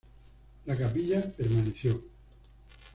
La capilla permaneció.